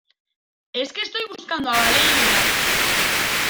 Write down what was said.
es que estoy buscando a Valeria.